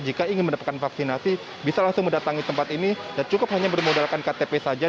jika ingin mendapatkan vaksinasi bisa langsung mendatangi tempat ini dan cukup hanya bermodalkan ktp saja